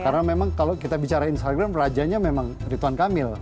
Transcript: karena memang kalau kita bicara instagram rajanya memang ritwan kamil